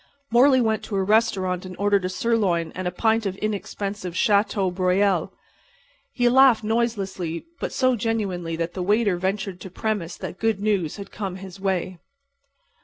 Morley went to a restaurant and ordered a sirloin and a pint of inexpensive Chateau Breuille. He laughed noiselessly, but so genuinely that the waiter ventured to premise that good news had come his way.